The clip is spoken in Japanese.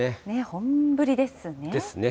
本降りですね。